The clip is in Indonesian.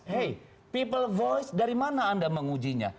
hei people voice dari mana anda mengujinya